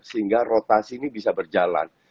sehingga rotasi ini bisa berjalan